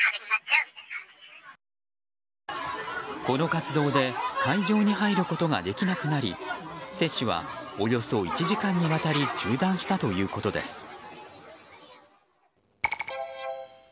この活動で会場に入ることができなくなり接種はおよそ１時間にわたり中断したということです。